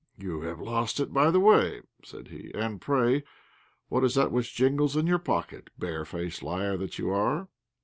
"You have lost it by the way," said he, "and pray what is that which jingles in your pocket, barefaced liar that you are?"